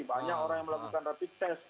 banyak orang yang melakukan rapid test